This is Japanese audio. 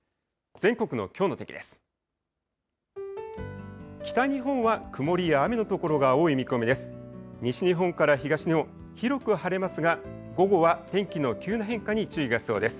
全国のきょうの天気です。